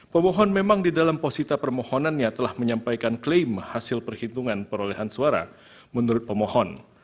pemohon memang di dalam posisita permohonannya telah menyampaikan klaim hasil perhitungan perolehan suara menurut pemohon